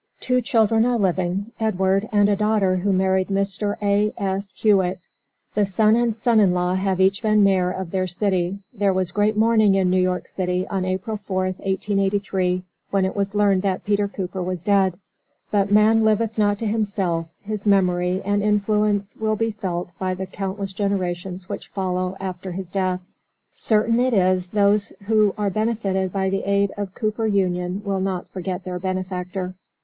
Two children are living, Edward, and a daughter who married Mr. A. S. Hewitt. The son and son in law have each been mayor of their city. There was great mourning in New York city on April 4th, 1883, when it was learned that Peter Cooper was dead. But man liveth not to himself, his memory and influence will be felt by the countless generations which will follow after his death. Certain it is those who are benefited by the aid of "Cooper Union" will not forget their benefactor.